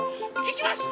いきます！